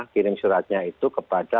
kirim suratnya itu kepada